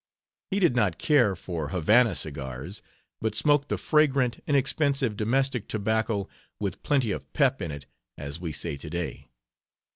He did not care for Havana cigars, but smoked the fragrant, inexpensive domestic tobacco with plenty of "pep" in it, as we say today.